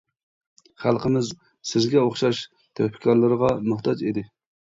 خەلقىمىز سىزگە ئوخشاش تۆھپىكارلىرىغا موھتاج ئىدى.